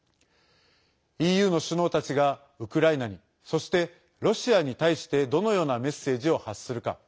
ＥＵの首脳たちがウクライナにそして、ロシアに対してどのようなメッセージを発するか。